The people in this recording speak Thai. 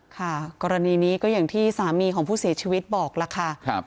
ค่ะกรณีนี้ก็อย่างที่สามีของผู้เสียชีวิตบอกล่ะค่ะ